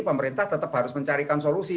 pemerintah tetap harus mencarikan solusi